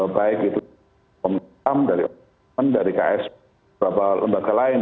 baik itu dari komitmen dari komitmen dari ks beberapa lembaga lain